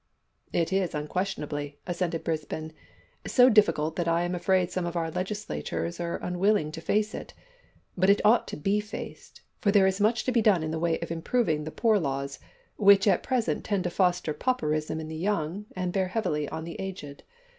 "It is, unquestionably," assented Brisbane, "so difficult, that I am afraid some of our legislators are unwilling to face it; but it ought to be faced, for there is much to be done in the way of improving the poor laws, which at present tend to foster pauperism in the young, and bear heavily on the aged.